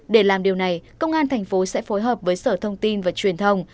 để làm điều này công an tp hcm sẽ phối hợp với sở thông tin và truyền thông